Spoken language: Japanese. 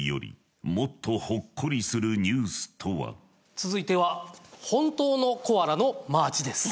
続いてはほんとうのコアラのマーチです。